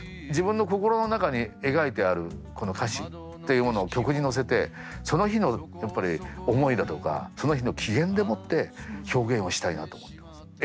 自分の心の中に描いてあるこの歌詞っていうものを曲に乗せてその日のやっぱり思いだとかその日の機嫌でもって表現をしたいなと思ってます。